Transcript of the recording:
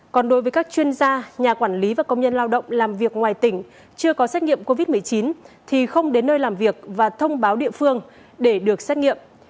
còn đối với các chuyên gia nhà quản lý và công nhân lao động làm việc ngoài tỉnh chưa có xét nghiệm covid một mươi chín thì không đến nơi làm việc và thông báo địa phương để được xét nghiệm